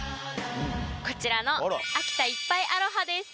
こちらの秋田いっぱいアロハです。